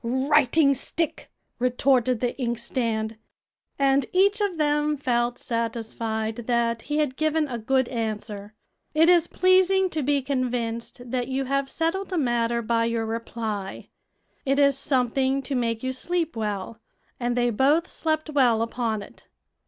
"Writing stick!" retorted the inkstand. And each of them felt satisfied that he had given a good answer. It is pleasing to be convinced that you have settled a matter by your reply; it is something to make you sleep well, and they both slept well upon it.